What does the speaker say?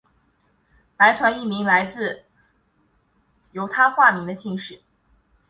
白团一名就来自他化名的姓氏。